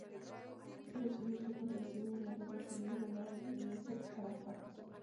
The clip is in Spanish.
Esa versión luchó contra Siria en la Guerra Civil, del lado de Yasser Arafat.